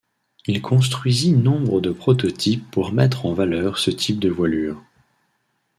Il construisit nombre de prototypes pour mettre en valeur ce type de voilure.